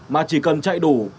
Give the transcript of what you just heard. mà chỉ cần chạy đủ